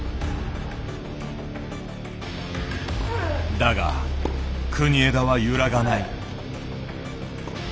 だが国枝は揺らがない。